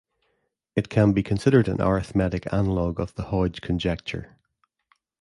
It can be considered an arithmetic analog of the Hodge conjecture.